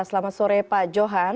selamat sore pak johan